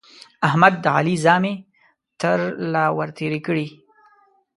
احمد د علي زامې تر له ور تېرې کړې.